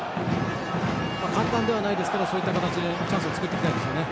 簡単ではないですがそういった形でチャンスを作りたいですよね。